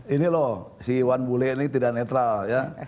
ini loh si iwan bule ini tidak netral ya